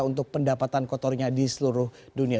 untuk pendapatan kotornya di seluruh dunia